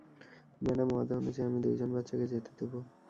Madam, ওয়াদা অনুযায়ী, আমি দুইজন বাচ্চাকে যেতে দেবো।